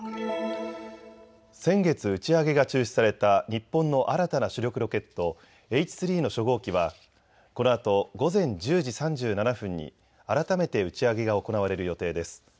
先月、打ち上げが中止された日本の新たな主力ロケットＨ３の初号機はこのあと午前１０時３７分に改めて打ち上げが行われる予定です。